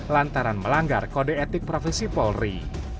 lantaran melanggar kode etik profesi polri